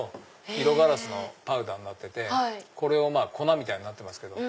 色ガラスのパウダーになっててこれ粉みたいになってますけど。